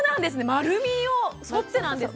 丸みを沿ってなんですね。